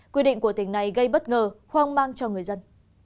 quy định của tỉnh này gây bất ngờ hoang mang cho người dân